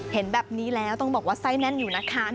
เห็นแบบนี้แล้วต้องบอกว่าไส้แน่นอยู่นะคะ